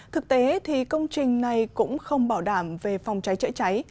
thực tế thì công trình này cũng không bảo đảm về phòng cháy chữa cháy